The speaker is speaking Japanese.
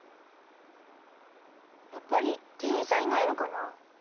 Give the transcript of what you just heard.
やっぱり店員さんいないのかな？